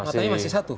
matanya masih satu